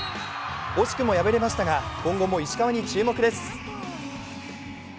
惜しくも敗れましたが、今後も石川に注目です。